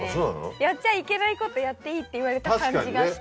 やっちゃいけないことやっていいって言われた感じがして。